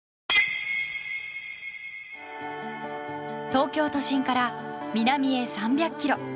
東京都心から南へ３００ｋｍ。